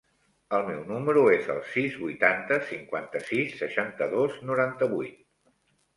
El meu número es el sis, vuitanta, cinquanta-sis, seixanta-dos, noranta-vuit.